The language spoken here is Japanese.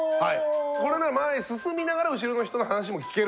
これなら前へ進みながら後ろの人の話も聞ける。